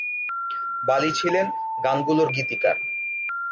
বালি ছিলেন গানগুলোর গীতিকার।